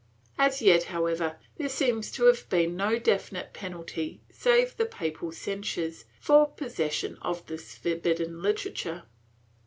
^ As yet, however, there seems to have been no definite penalty, save the papal censures, for pos sessing this forbidden literature.